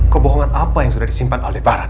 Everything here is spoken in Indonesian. kebohongan apa yang sudah disimpan aldebaran